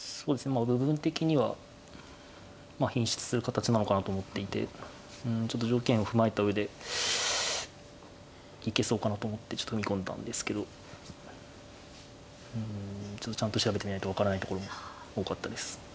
部分的には頻出する形なのかなと思っていてうんちょっと条件を踏まえた上でいけそうかなと思ってちょっと踏み込んだんですけどうんちょっとちゃんと調べてみないと分からないところも多かったです。